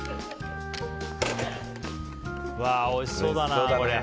おいしそうだな、こりゃ。